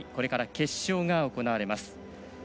これから決勝が行われます。